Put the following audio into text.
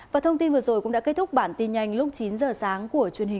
và thông tin vừa rồi cũng đã kết thúc bản tin nhanh